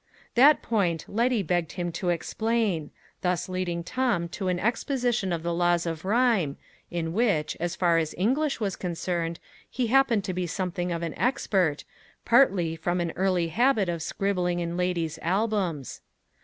That point Letty begged him to explain, thus leading Tom to an exposition of the laws of rhyme, in which, as far as English was concerned, he happened to be something of an expert, partly from an early habit of scribbling in ladies' albums.